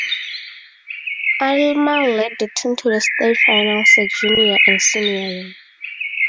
Aylmer led the team to the state finals her junior and senior year.